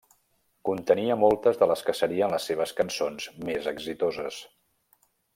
Contenia moltes de les que serien les seves cançons més exitoses.